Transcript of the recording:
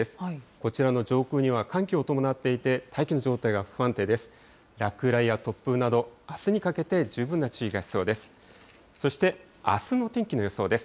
こちらの上空には寒気を伴っていて、大気の状態が不安定です。